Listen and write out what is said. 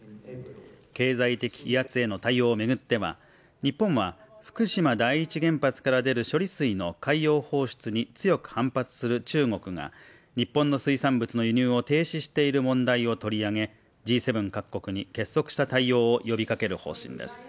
経済的威圧への対応を巡っては日本は、福島第一原発から出る処理水の海洋放出に強く反発する中国が日本の水産物の輸入を停止している問題を取り上げ、Ｇ７各国に結束した対応を呼びかける方針です。